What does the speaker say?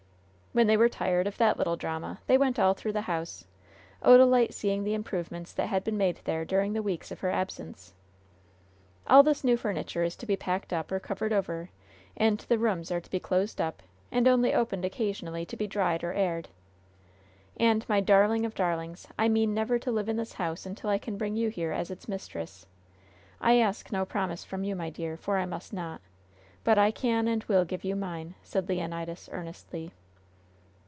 When they were tired of that little drama they went all through the house, Odalite seeing the improvements that had been made there during the weeks of her absence. "All this new furniture is to be packed up or covered over, and the rooms are to be closed up, and only opened occasionally to be dried or aired. And, my darling of darlings, I mean never to live in this house until I can bring you here as its mistress. I ask no promise from you, my dear, for I must not; but I can and will give you mine," said Leonidas, earnestly.